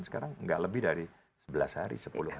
sekarang nggak lebih dari sebelas hari sepuluh hari